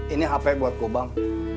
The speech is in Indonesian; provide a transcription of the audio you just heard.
ini hape buatku bang